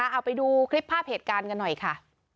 เอาไปดูคลิปภาพเหตุการณ์กันหน่อยค่ะ